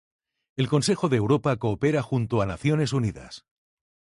El Consejo de Europa coopera junto a Naciones Unidas.